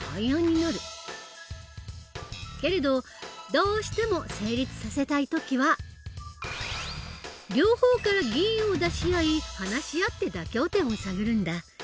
けれどどうしても成立させたい時は両方から議員を出し合い話し合って妥協点を探るんだ。